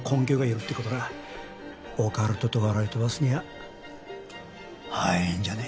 オカルトと笑い飛ばすには早えんじゃねえか？